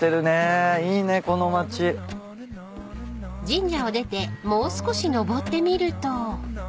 ［神社を出てもう少し上ってみると］